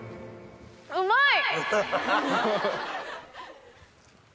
うまい！